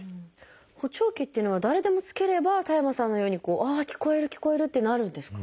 補聴器っていうのは誰でも着ければ田山さんのように「ああ聞こえる聞こえる！」ってなるんですか？